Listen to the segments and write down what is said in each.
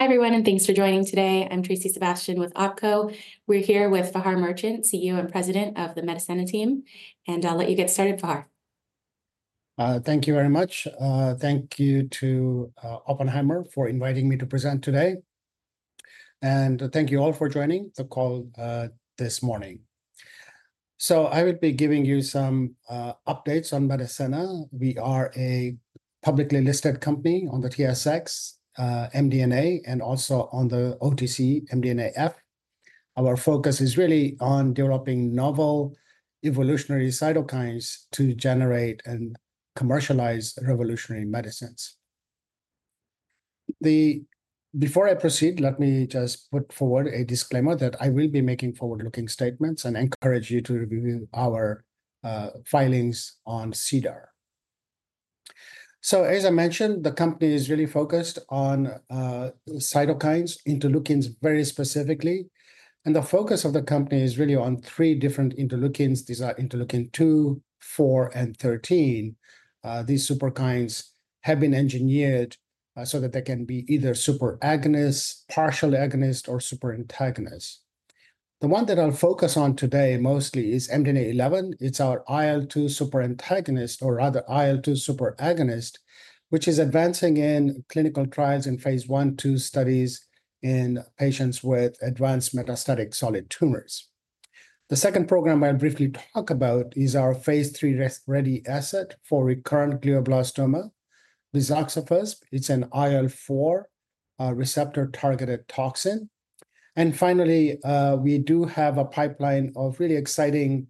Everyone, and thanks for joining today. I'm Tracy Sebastian with Oracle. We're here with Fahar Merchant, CEO and President of the Medicenna Team. I'll let you get started, Fahar. Thank you very much. Thank you to Oppenheimer for inviting me to present today. Thank you all for joining the call this morning. I will be giving you some updates on Medicenna. We are a publicly listed company on the TSX, MDNA, and also on the OTC, MDNAF. Our focus is really on developing novel evolutionary cytokines to generate and commercialize revolutionary medicines. Before I proceed, let me just put forward a disclaimer that I will be making forward-looking statements and encourage you to review our filings on CDAR. As I mentioned, the company is really focused on cytokines, interleukins very specifically. The focus of the company is really on three different interleukins. These are including 2, 4, and 13. These superkines have been engineered so that they can be either super agonist, partially agonist, or super antagonist. The one that I'll focus on today mostly is MDNA-11. It's our IL-2 super agonist, which is advancing in clinical trials in phase 1-2 studies in patients with advanced metastatic solid tumors. The second program I'll briefly talk about is our phase 3 rest-ready asset for recurrent glioblastoma, MDNA-55. It's an IL-4 receptor-targeted toxin. Finally, we do have a pipeline of really exciting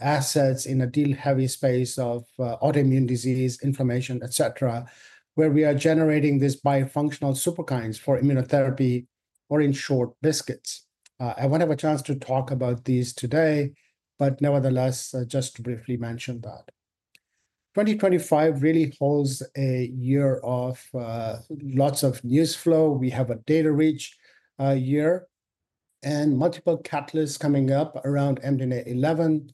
assets in a deal-heavy space of autoimmune disease, inflammation, et cetera, where we are generating these bifunctional superkines for immunotherapy, or in short, BiSKITs. I won't have a chance to talk about these today, but nevertheless, just to briefly mention that. 2025 really holds a year of lots of news flow. We have a data-rich year, and multiple catalysts coming up around MDNA-11.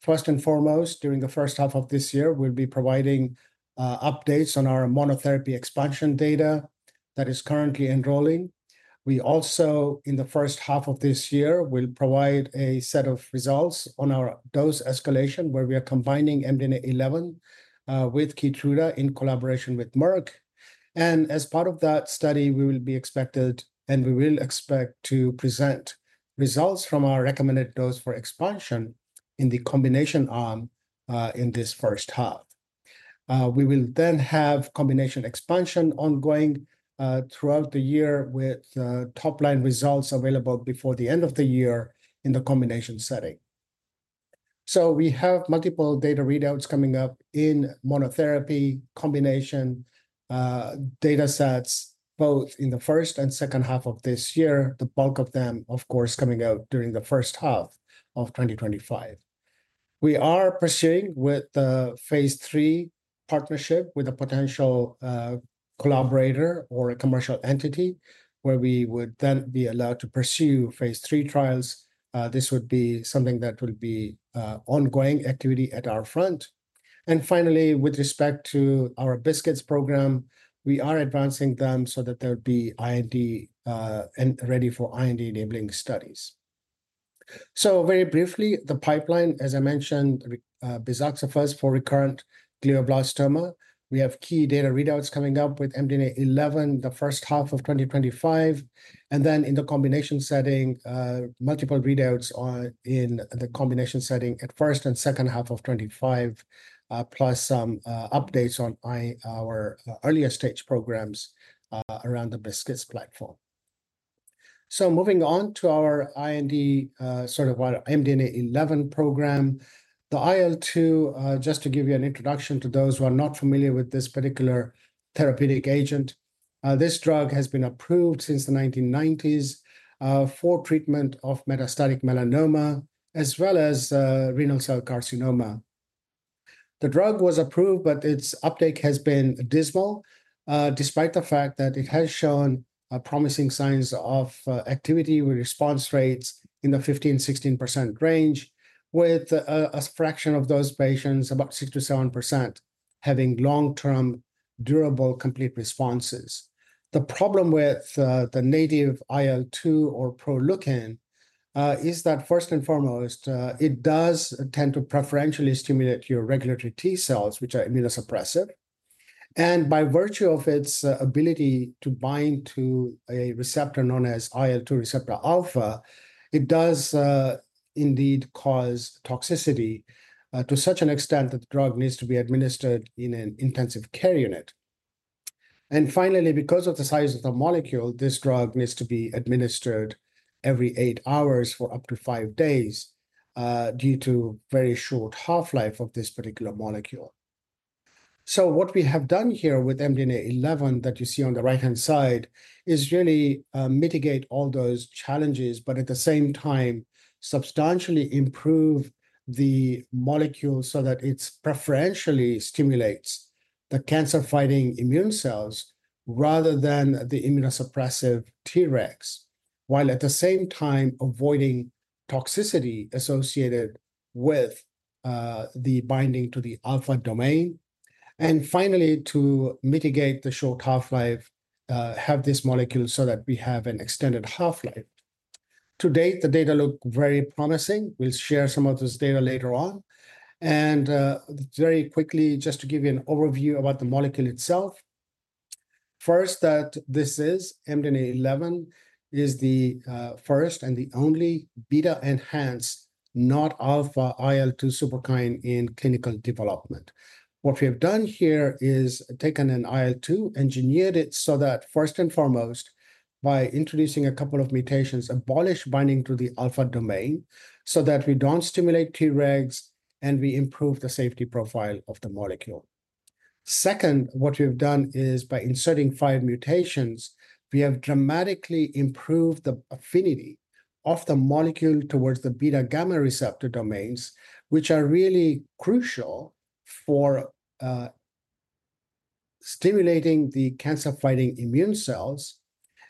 First and foremost, during the first half of this year, we'll be providing updates on our monotherapy expansion data that is currently enrolling. We also, in the first half of this year, will provide a set of results on our dose escalation, where we are combining MDNA-11 with Keytruda in collaboration with Merck. As part of that study, we will be expected, and we will expect to present results from our recommended dose for expansion in the combination arm in this first half. We will then have combination expansion ongoing throughout the year with top-line results available before the end of the year in the combination setting. We have multiple data readouts coming up in monotherapy combination data sets, both in the first and second half of this year, the bulk of them, of course, coming out during the first half of 2025. We are pursuing with the phase 3 partnership with a potential collaborator or a commercial entity, where we would then be allowed to pursue phase 3 trials. This would be something that would be ongoing activity at our front. Finally, with respect to our BiSKITs program, we are advancing them so that there would be IND ready for IND enabling studies. Very briefly, the pipeline, as I mentioned, bizaxofusp for recurrent glioblastoma. We have key data readouts coming up with MDNA-11 the first half of 2025. In the combination setting, multiple readouts in the combination setting at first and second half of 2025, plus some updates on our earlier stage programs around the BiSKITs platform. Moving on to our IND, sort of our MDNA-11 program, the IL-2, just to give you an introduction to those who are not familiar with this particular therapeutic agent, this drug has been approved since the 1990s for treatment of metastatic melanoma, as well as renal cell carcinoma. The drug was approved, but its uptake has been dismal, despite the fact that it has shown promising signs of activity with response rates in the 15%-16% range, with a fraction of those patients, about 6%-7%, having long-term durable complete responses. The problem with the native IL-2 or Proleukin is that, first and foremost, it does tend to preferentially stimulate your regulatory T cells, which are immunosuppressive. By virtue of its ability to bind to a receptor known as IL-2 receptor alpha, it does indeed cause toxicity to such an extent that the drug needs to be administered in an intensive care unit. Finally, because of the size of the molecule, this drug needs to be administered every eight hours for up to five days due to the very short half-life of this particular molecule. What we have done here with MDNA-11 that you see on the right-hand side is really mitigate all those challenges, but at the same time, substantially improve the molecule so that it preferentially stimulates the cancer-fighting immune cells rather than the immunosuppressive Tregs, while at the same time avoiding toxicity associated with the binding to the alpha domain. Finally, to mitigate the short half-life, have this molecule so that we have an extended half-life. To date, the data look very promising. We'll share some of this data later on. Very quickly, just to give you an overview about the molecule itself, first, this is MDNA-11, the first and the only beta-enhanced not-alpha IL-2 super agonist in clinical development. What we have done here is taken an IL-2, engineered it so that, first and foremost, by introducing a couple of mutations, we abolish binding to the alpha domain so that we don't stimulate Tregs, and we improve the safety profile of the molecule. Second, what we've done is, by inserting five mutations, we have dramatically improved the affinity of the molecule towards the beta-gamma receptor domains, which are really crucial for stimulating the cancer-fighting immune cells.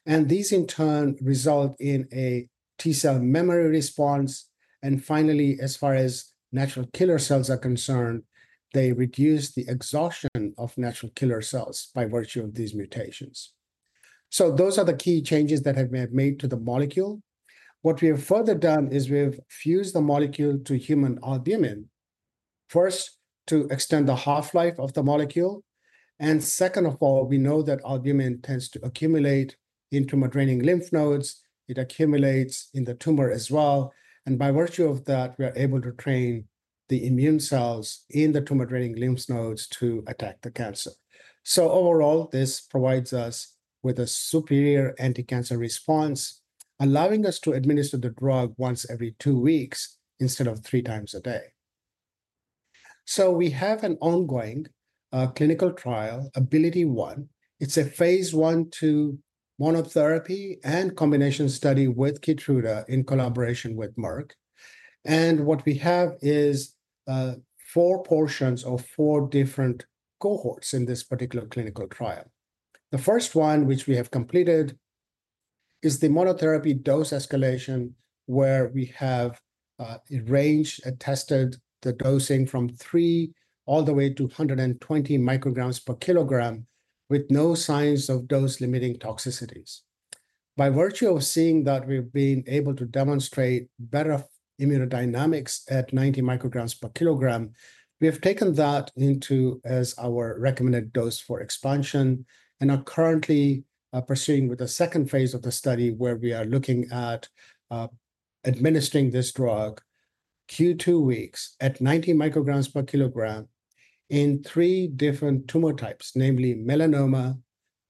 These, in turn, result in a T cell memory response. Finally, as far as natural killer cells are concerned, they reduce the exhaustion of natural killer cells by virtue of these mutations. Those are the key changes that have been made to the molecule. What we have further done is we have fused the molecule to human albumin, first, to extend the half-life of the molecule. Second of all, we know that albumin tends to accumulate in tumor draining lymph nodes. It accumulates in the tumor as well. By virtue of that, we are able to train the immune cells in the tumor draining lymph nodes to attack the cancer. Overall, this provides us with a superior anti-cancer response, allowing us to administer the drug once every two weeks instead of three times a day. We have an ongoing clinical trial, ABILITY-1. It's a phase 1-2 monotherapy and combination study with Keytruda in collaboration with Merck. What we have is four portions of four different cohorts in this particular clinical trial. The first one, which we have completed, is the monotherapy dose escalation, where we have arranged and tested the dosing from 3 all the way to 120 micrograms per kilogram with no signs of dose-limiting toxicities. By virtue of seeing that we've been able to demonstrate better immunodynamics at 90 micrograms per kilogram, we have taken that into as our recommended dose for expansion and are currently pursuing with the second phase of the study, where we are looking at administering this drug q2 weeks at 90 micrograms per kilogram in three different tumor types, namely melanoma,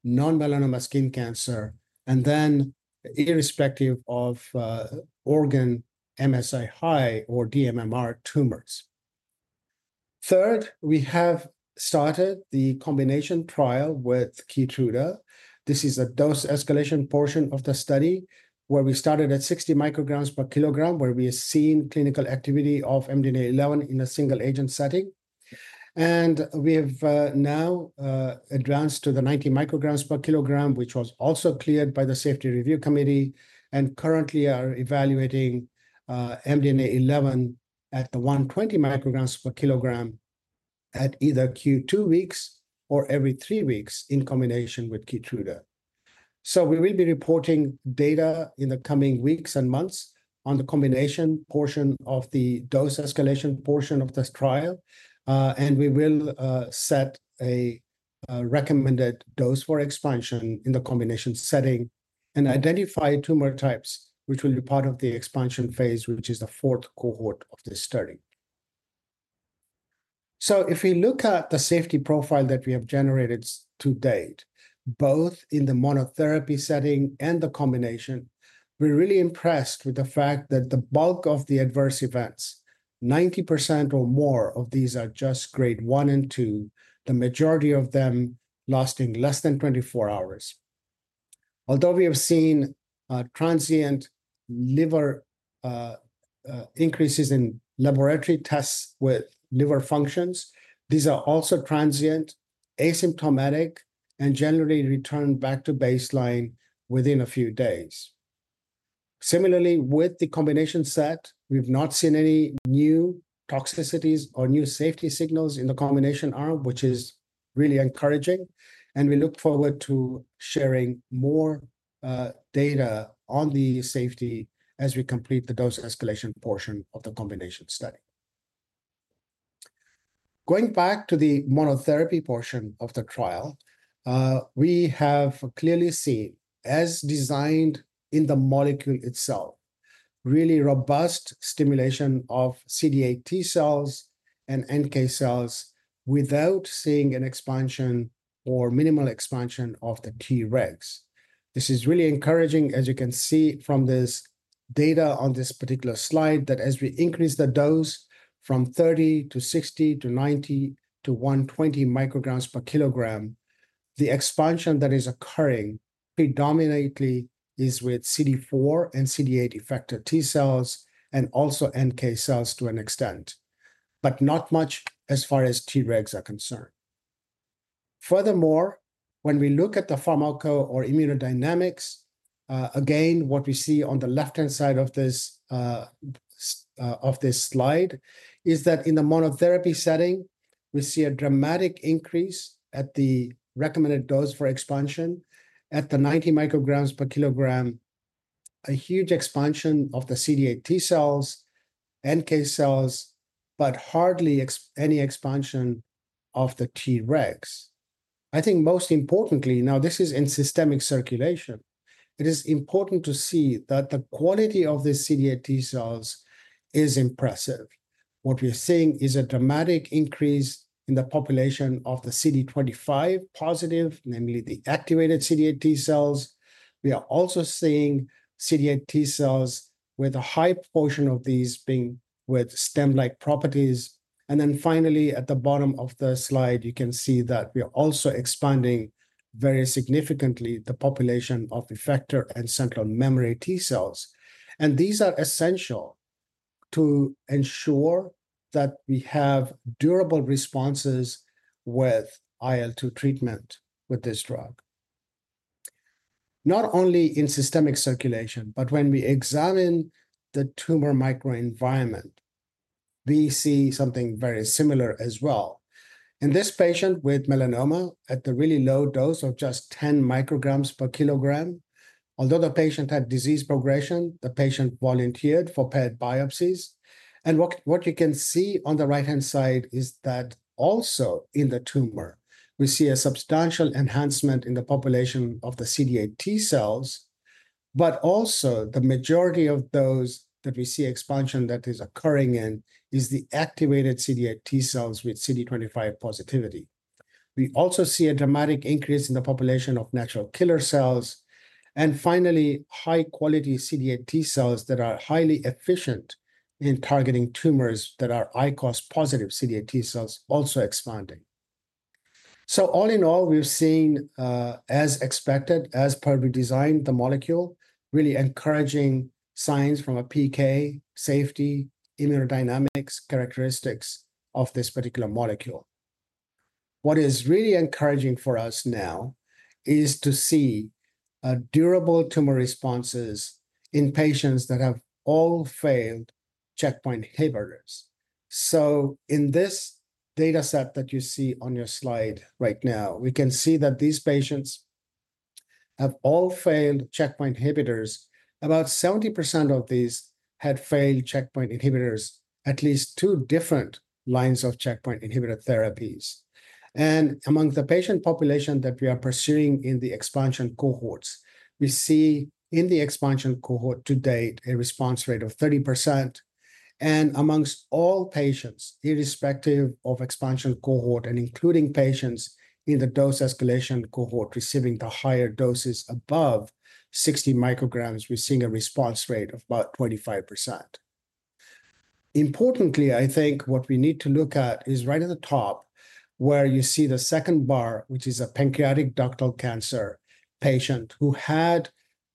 non-melanoma skin cancer, and then irrespective of organ MSI high or DMMR tumors. Third, we have started the combination trial with Keytruda. This is a dose escalation portion of the study, where we started at 60 micrograms per kilogram, where we have seen clinical activity of MDNA-11 in a single agent setting. We have now advanced to the 90 micrograms per kilogram, which was also cleared by the Safety Review Committee, and currently are evaluating MDNA-11 at the 120 micrograms per kilogram at either q2 weeks or every three weeks in combination with Keytruda. We will be reporting data in the coming weeks and months on the combination portion of the dose escalation portion of this trial. We will set a recommended dose for expansion in the combination setting and identify tumor types, which will be part of the expansion phase, which is the fourth cohort of this study. If we look at the safety profile that we have generated to date, both in the monotherapy setting and the combination, we're really impressed with the fact that the bulk of the adverse events, 90% or more of these are just grade 1 and 2, the majority of them lasting less than 24 hours. Although we have seen transient liver increases in laboratory tests with liver functions, these are also transient, asymptomatic, and generally return back to baseline within a few days. Similarly, with the combination set, we've not seen any new toxicities or new safety signals in the combination arm, which is really encouraging. We look forward to sharing more data on the safety as we complete the dose escalation portion of the combination study. Going back to the monotherapy portion of the trial, we have clearly seen, as designed in the molecule itself, really robust stimulation of CD8 T cells and NK cells without seeing an expansion or minimal expansion of the Tregs. This is really encouraging, as you can see from this data on this particular slide, that as we increase the dose from 30 to 60 to 90 to 120 micrograms per kilogram, the expansion that is occurring predominantly is with CD4 and CD8 effector T cells and also NK cells to an extent, but not much as far as Tregs are concerned. Furthermore, when we look at the pharmaco or immunodynamics, again, what we see on the left-hand side of this slide is that in the monotherapy setting, we see a dramatic increase at the recommended dose for expansion at the 90 micrograms per kilogram, a huge expansion of the CD8 T cells, NK cells, but hardly any expansion of the Tregs. I think most importantly, now this is in systemic circulation, it is important to see that the quality of the CD8 T cells is impressive. What we are seeing is a dramatic increase in the population of the CD25 positive, namely the activated CD8 T cells. We are also seeing CD8 T cells with a high portion of these being with stem-like properties. Finally, at the bottom of the slide, you can see that we are also expanding very significantly the population of effector and central memory T cells. These are essential to ensure that we have durable responses with IL-2 treatment with this drug. Not only in systemic circulation, but when we examine the tumor microenvironment, we see something very similar as well. In this patient with melanoma at the really low dose of just 10 micrograms per kilogram, although the patient had disease progression, the patient volunteered for PET biopsies. What you can see on the right-hand side is that also in the tumor, we see a substantial enhancement in the population of the CD8 T cells, but also the majority of those that we see expansion that is occurring in is the activated CD8 T cells with CD25 positivity. We also see a dramatic increase in the population of natural killer cells. Finally, high-quality CD8 T cells that are highly efficient in targeting tumors that are I-COS positive CD8 T cells also expanding. All in all, we've seen, as expected, as per redesign, the molecule really encouraging signs from a PK, safety, immunodynamics characteristics of this particular molecule. What is really encouraging for us now is to see durable tumor responses in patients that have all failed checkpoint inhibitors. In this data set that you see on your slide right now, we can see that these patients have all failed checkpoint inhibitors. About 70% of these had failed checkpoint inhibitors, at least two different lines of checkpoint inhibitor therapies. Among the patient population that we are pursuing in the expansion cohorts, we see in the expansion cohort to date a response rate of 30%. Amongst all patients, irrespective of expansion cohort and including patients in the dose escalation cohort receiving the higher doses above 60 micrograms, we're seeing a response rate of about 25%. Importantly, I think what we need to look at is right at the top, where you see the second bar, which is a pancreatic ductal cancer patient who had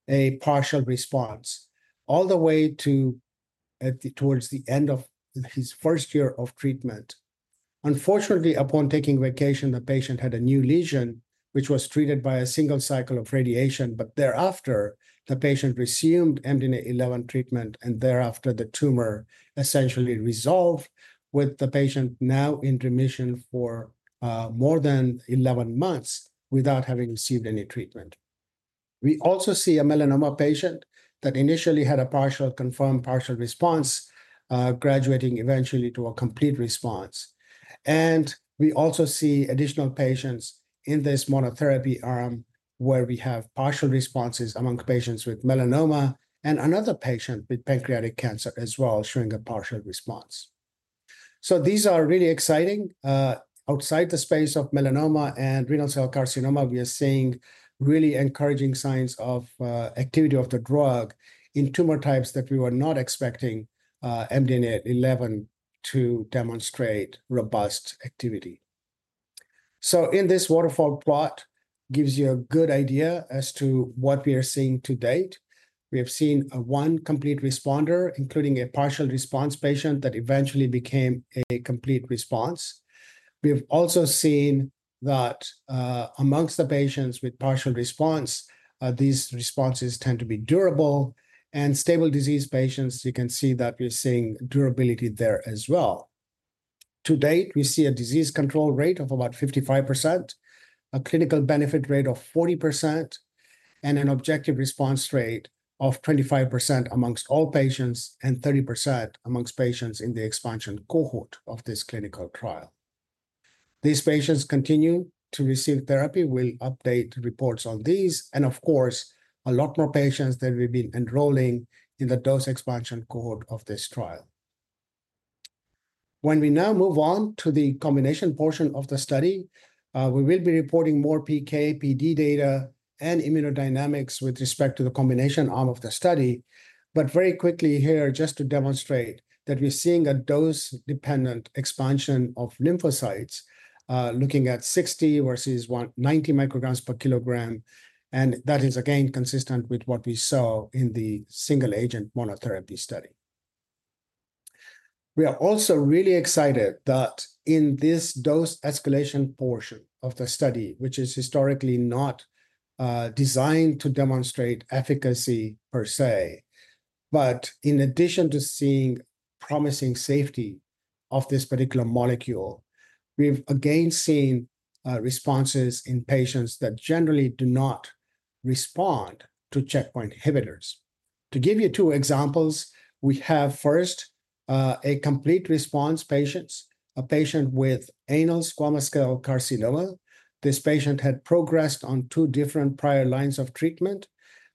a partial response all the way towards the end of his first year of treatment. Unfortunately, upon taking vacation, the patient had a new lesion, which was treated by a single cycle of radiation, but thereafter, the patient resumed MDNA-11 treatment, and thereafter, the tumor essentially resolved with the patient now in remission for more than 11 months without having received any treatment. We also see a melanoma patient that initially had a confirmed partial response, graduating eventually to a complete response. We also see additional patients in this monotherapy arm, where we have partial responses among patients with melanoma and another patient with pancreatic cancer as well showing a partial response. These are really exciting. Outside the space of melanoma and renal cell carcinoma, we are seeing really encouraging signs of activity of the drug in tumor types that we were not expecting MDNA-11 to demonstrate robust activity. In this waterfall plot, it gives you a good idea as to what we are seeing to date. We have seen one complete responder, including a partial response patient that eventually became a complete response. We have also seen that amongst the patients with partial response, these responses tend to be durable. Stable disease patients, you can see that we're seeing durability there as well. To date, we see a disease control rate of about 55%, a clinical benefit rate of 40%, and an objective response rate of 25% amongst all patients and 30% amongst patients in the expansion cohort of this clinical trial. These patients continue to receive therapy. We will update reports on these. Of course, a lot more patients that we have been enrolling in the dose expansion cohort of this trial. When we now move on to the combination portion of the study, we will be reporting more PK, PD data, and immunodynamics with respect to the combination arm of the study. Very quickly here, just to demonstrate that we are seeing a dose-dependent expansion of lymphocytes, looking at 60 versus 90 micrograms per kilogram. That is, again, consistent with what we saw in the single agent monotherapy study. We are also really excited that in this dose escalation portion of the study, which is historically not designed to demonstrate efficacy per se, but in addition to seeing promising safety of this particular molecule, we've again seen responses in patients that generally do not respond to checkpoint inhibitors. To give you two examples, we have first a complete response patient, a patient with anal squamous cell carcinoma. This patient had progressed on two different prior lines of treatment.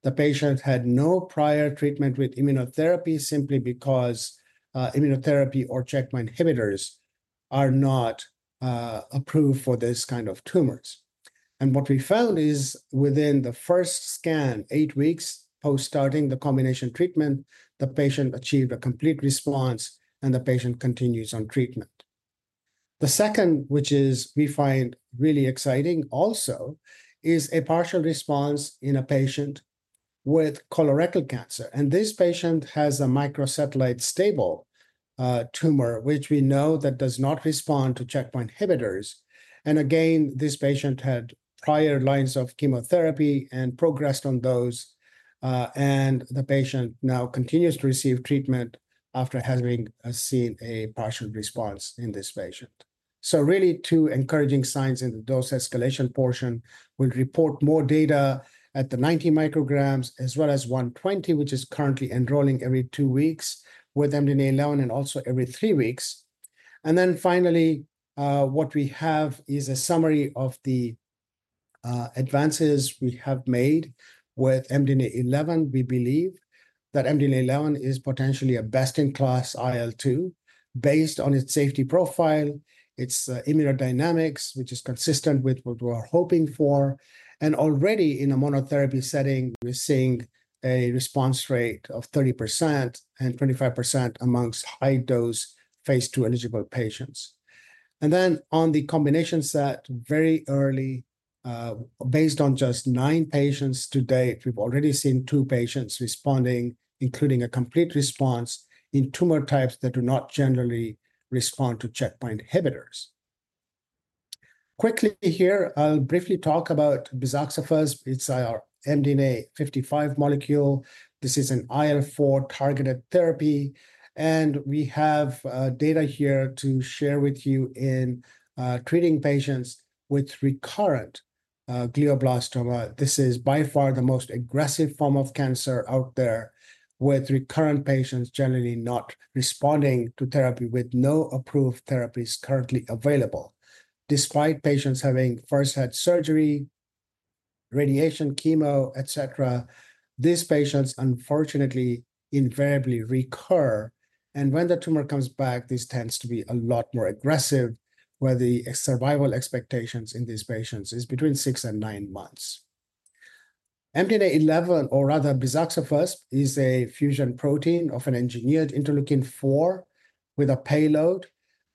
The patient had no prior treatment with immunotherapy simply because immunotherapy or checkpoint inhibitors are not approved for this kind of tumors. What we found is within the first scan, eight weeks post-starting the combination treatment, the patient achieved a complete response, and the patient continues on treatment. The second, which we find really exciting also, is a partial response in a patient with colorectal cancer. This patient has a microsatellite stable tumor, which we know does not respond to checkpoint inhibitors. This patient had prior lines of chemotherapy and progressed on those. The patient now continues to receive treatment after having seen a partial response. There are really two encouraging signs in the dose escalation portion. We will report more data at the 90 micrograms as well as 120, which is currently enrolling every two weeks with MDNA-11 and also every three weeks. Finally, what we have is a summary of the advances we have made with MDNA-11. We believe that MDNA-11 is potentially a best-in-class IL-2 based on its safety profile, its immunodynamics, which is consistent with what we are hoping for. Already in a monotherapy setting, we are seeing a response rate of 30% and 25% amongst high-dose phase two eligible patients. On the combination set, very early, based on just nine patients to date, we've already seen two patients responding, including a complete response in tumor types that do not generally respond to checkpoint inhibitors. Quickly here, I'll briefly talk about bizaxofusp. It's our MDNA-55 molecule. This is an IL-4 targeted therapy. We have data here to share with you in treating patients with recurrent glioblastoma. This is by far the most aggressive form of cancer out there, with recurrent patients generally not responding to therapy with no approved therapies currently available. Despite patients having first had surgery, radiation, chemo, et cetera, these patients unfortunately invariably recur. When the tumor comes back, this tends to be a lot more aggressive, where the survival expectations in these patients are between six and nine months. MDNA-11, or rather bizaxofusp, is a fusion protein of an engineered interleukin-4 with a payload,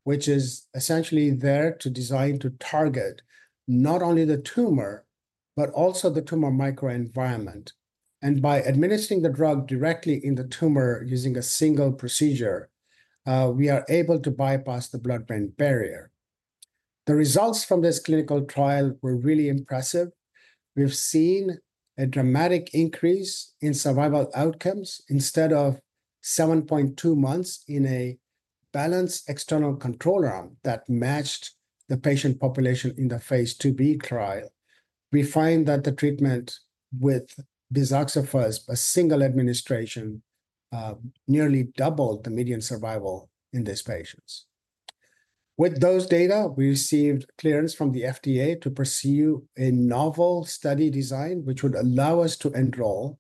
which is essentially there to design to target not only the tumor, but also the tumor microenvironment. By administering the drug directly in the tumor using a single procedure, we are able to bypass the blood-brain barrier. The results from this clinical trial were really impressive. We've seen a dramatic increase in survival outcomes. Instead of 7.2 months in a balanced external control arm that matched the patient population in the phase IIb trial, we find that the treatment with bizaxofusp, a single administration, nearly doubled the median survival in these patients. With those data, we received clearance from the FDA to pursue a novel study design, which would allow us to enroll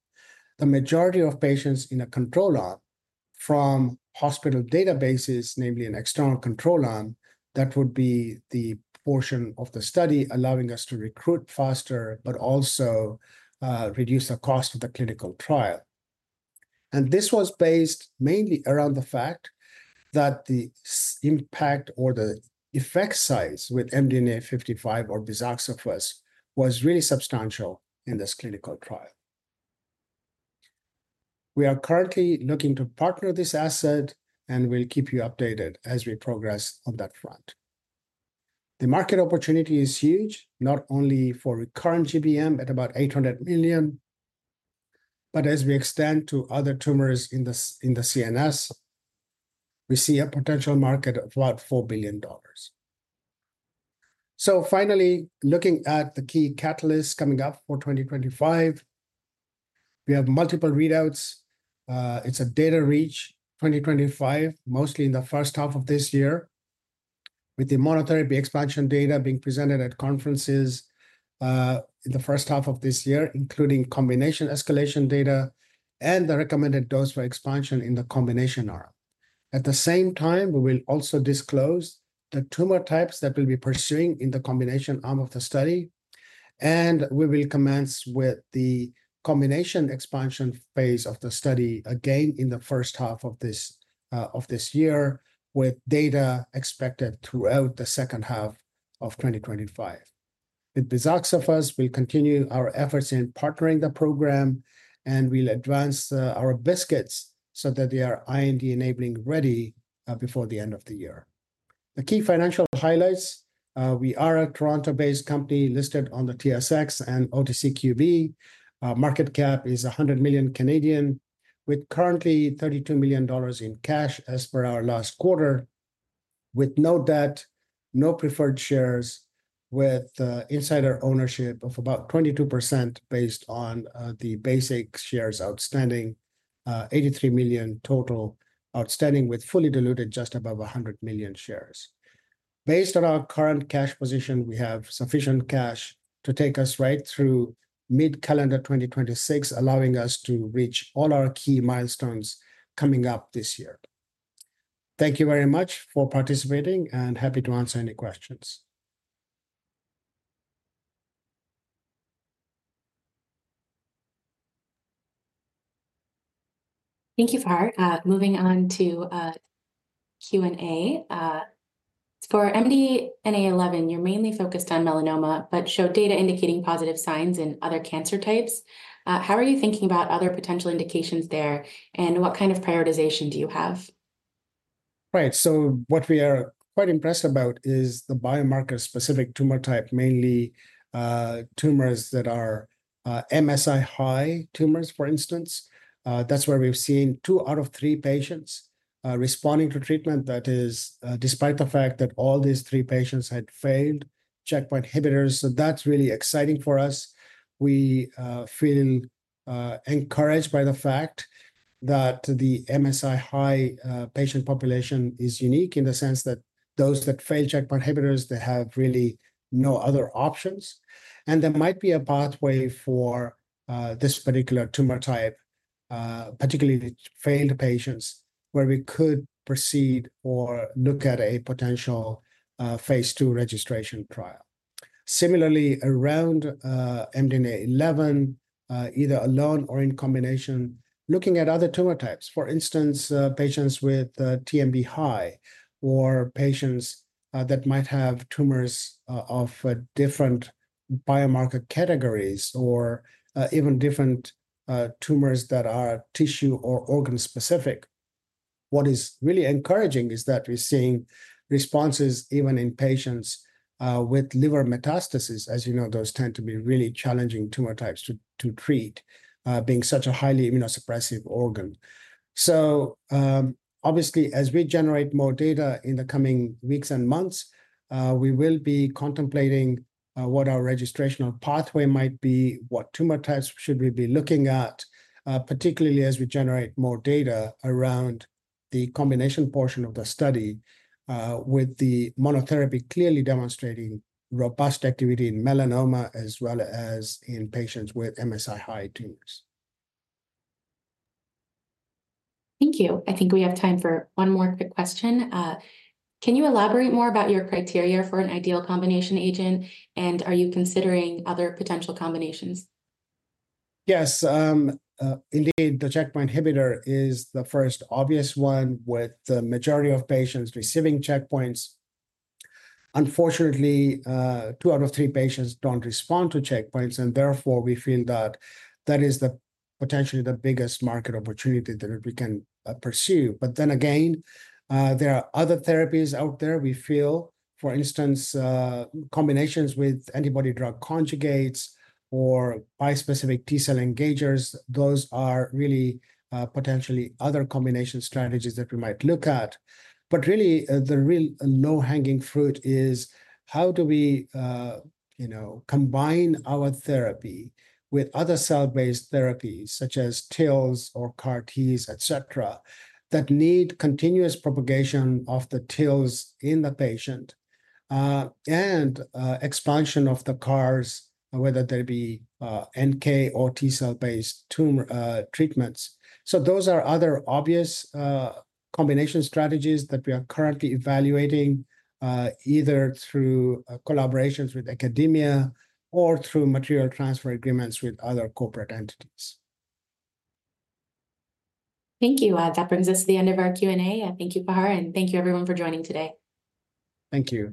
the majority of patients in a control arm from hospital databases, namely an external control arm that would be the portion of the study allowing us to recruit faster, but also reduce the cost of the clinical trial. This was based mainly around the fact that the impact or the effect size with MDNA-55 or bizaxofusp was really substantial in this clinical trial. We are currently looking to partner this asset, and we'll keep you updated as we progress on that front. The market opportunity is huge, not only for recurrent GBM at about $800 million, but as we extend to other tumors in the CNS, we see a potential market of about $4 billion. Finally, looking at the key catalysts coming up for 2025, we have multiple readouts. It is a data-rich 2025, mostly in the first half of this year, with the monotherapy expansion data being presented at conferences in the first half of this year, including combination escalation data and the recommended dose for expansion in the combination arm. At the same time, we will also disclose the tumor types that we will be pursuing in the combination arm of the study. We will commence with the combination expansion phase of the study again in the first half of this year, with data expected throughout the second half of 2025. With bizaxofusp, we will continue our efforts in partnering the program, and we will advance our BiSKITs so that they are IND enabling ready before the end of the year. The key financial highlights: we are a Toronto-based company listed on the TSX and OTCQX. Market cap is 100 million, with currently 32 million dollars in cash as per our last quarter, with no debt, no preferred shares, with insider ownership of about 22% based on the basic shares outstanding, 83 million total outstanding, with fully diluted just above 100 million shares. Based on our current cash position, we have sufficient cash to take us right through mid-calendar 2026, allowing us to reach all our key milestones coming up this year. Thank you very much for participating, and happy to answer any questions. Thank you, Fahar. Moving on to Q&A. For MDNA-11, you're mainly focused on melanoma, but showed data indicating positive signs in other cancer types. How are you thinking about other potential indications there, and what kind of prioritization do you have? Right. What we are quite impressed about is the biomarker-specific tumor type, mainly tumors that are MSI high tumors, for instance. That is where we have seen two out of three patients responding to treatment. That is, despite the fact that all these three patients had failed checkpoint inhibitors. That is really exciting for us. We feel encouraged by the fact that the MSI high patient population is unique in the sense that those that fail checkpoint inhibitors have really no other options. There might be a pathway for this particular tumor type, particularly the failed patients, where we could proceed or look at a potential phase two registration trial. Similarly, around MDNA-11, either alone or in combination, looking at other tumor types, for instance, patients with TMB high or patients that might have tumors of different biomarker categories or even different tumors that are tissue or organ specific. What is really encouraging is that we're seeing responses even in patients with liver metastasis. As you know, those tend to be really challenging tumor types to treat, being such a highly immunosuppressive organ. Obviously, as we generate more data in the coming weeks and months, we will be contemplating what our registration pathway might be, what tumor types should we be looking at, particularly as we generate more data around the combination portion of the study, with the monotherapy clearly demonstrating robust activity in melanoma as well as in patients with MSI high tumors. Thank you. I think we have time for one more quick question. Can you elaborate more about your criteria for an ideal combination agent, and are you considering other potential combinations? Yes. Indeed, the checkpoint inhibitor is the first obvious one with the majority of patients receiving checkpoints. Unfortunately, two out of three patients do not respond to checkpoints. Therefore, we feel that that is potentially the biggest market opportunity that we can pursue. There are other therapies out there. We feel, for instance, combinations with antibody drug conjugates or bispecific T cell engagers. Those are really potentially other combination strategies that we might look at. Really, the real low-hanging fruit is how do we combine our therapy with other cell-based therapies, such as TILs or CAR-Ts, et cetera, that need continuous propagation of the TILs in the patient and expansion of the CARs, whether they be NK or T cell-based tumor treatments. Those are other obvious combination strategies that we are currently evaluating, either through collaborations with academia or through material transfer agreements with other corporate entities. Thank you. That brings us to the end of our Q&A. Thank you, Fahar, and thank you, everyone, for joining today. Thank you.